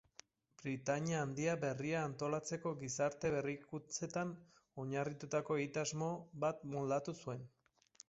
Britainia Handi berria antolatzeko gizarte-berrikuntzetan oinarritutako egitasmo bat moldatu zuen.